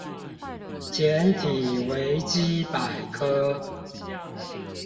簡體維基百科